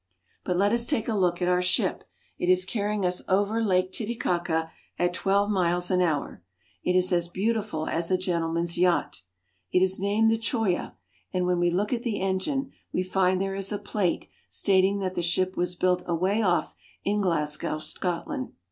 But let us take a look at our ship. It is carrying us over Lake Titicaca at twelve miles an hour. It is as beautiful as a gentleman's yacht. It is named the Choya, and when we look at the engine we find there is a plate stating that the ship was built away off in Glasgow, Scotland.